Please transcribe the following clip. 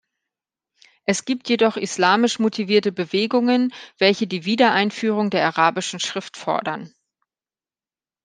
Es gibt jedoch islamisch motivierte Bewegungen, welche die Wiedereinführung der arabischen Schrift fordern.